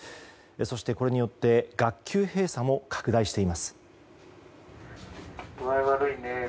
そして、これによって学級閉鎖も拡大しています。